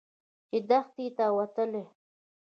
چې دښتې ته وتله.